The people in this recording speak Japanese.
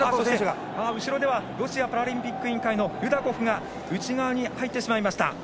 後ろではロシアパラリンピック委員会のルダコフが内側に入ってしまいました。